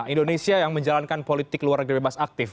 indonesia yang menjalankan politik luar negeri bebas aktif